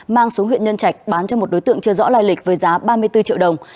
mang xuống huyện nhân trạch bán cho một đối tượng chưa rõ lai lịch với giá ba mươi bốn triệu đồng